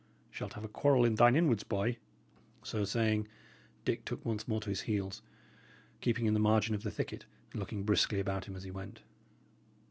Shalt have a quarrel in thine inwards, boy." So saying, Dick took once more to his heels, keeping in the margin of the thicket and looking briskly about him as he went.